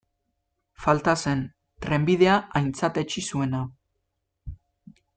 Falta zen, trenbidea aintzatetsi zuena.